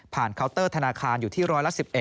เคาน์เตอร์ธนาคารอยู่ที่ร้อยละ๑๑